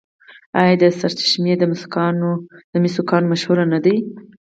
آیا د سرچشمې د مسو کان مشهور نه دی؟